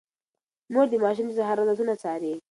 مور د ماشوم د سهار عادتونه څاري.